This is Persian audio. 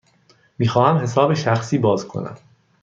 می خواهم حساب شخصی باز کنم.